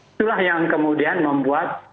itulah yang kemudian membuat